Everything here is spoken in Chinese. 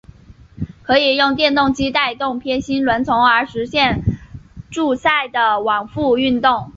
可以用电动机带动偏心轮从而实现柱塞的往复运动。